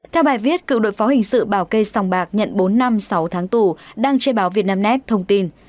theo bài viết cựu đội phó hình sự bảo cây sòng bạc nhận bốn năm sáu tháng tù đăng trên báo vietnamnet thông tin